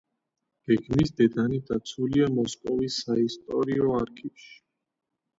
გეგმის დედანი დაცულია მოსკოვის საისტორიო არქივში.